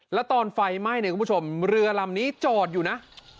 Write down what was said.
แล้วตอนไฟไหม้เนี่ยคุณผู้ชมเรือลำนี้จอดอยู่นะ